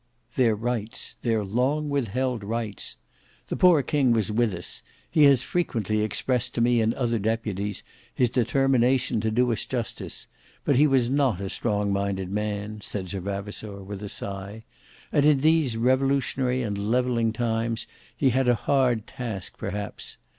"Their rights; their long withheld rights. The poor king was with us. He has frequently expressed to me and other deputies, his determination to do us justice; but he was not a strong minded man," said Sir Vavasour, with a sigh; "and in these revolutionary and levelling times, he had a hard task perhaps.